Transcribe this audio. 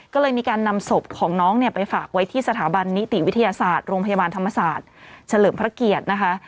ก็เลยมีการนำศพของน้องเนี่ยไปฝากไว้ที่สถาบันนิติวิทยาศาสตร์โรงพยาบาลธรรมศาสตร์เฉลิมพระเกียรตินะคะ